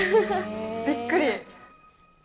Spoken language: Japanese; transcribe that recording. びっくり。